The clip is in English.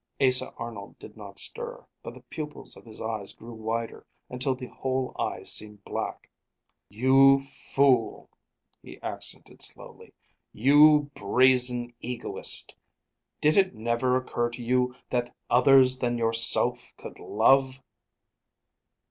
Asa Arnold did not stir, but the pupils of his eyes grew wider, until the whole eye seemed black. "You fool!" he accented slowly. "You brazen egoist! Did it never occur to you that others than yourself could love?"